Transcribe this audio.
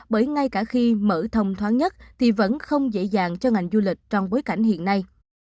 bởi ngay cả khi mở thông thoáng nhất thì vẫn không dễ dàng cho ngành du lịch trong bối cảnh hiện nay